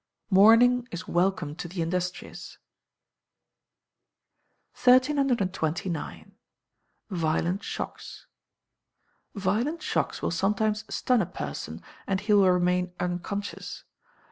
[MORNING IS WELCOME TO THE INDUSTRIOUS.] 1329. Violent Shocks. Violent shocks will sometimes stun a person, and he will remain unconscious.